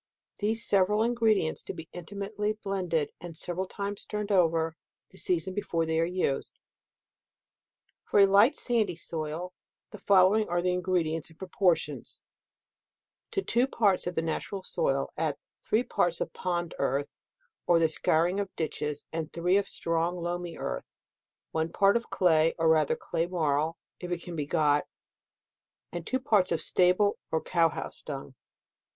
These several ingredients to be intimately blended, and several times turned over, the season be fore they are used. For a light sandy soil, the following are the ingredients and proportions : to two parts of DECEMBER. 201 the natural soil add three parts of pond earth, or the scouring of ditches, and three of strong loamy earth ; one part of clay, or rather clay marl, if it can be got, and two parts of stable or cow house dung.